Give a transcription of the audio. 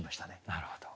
なるほど。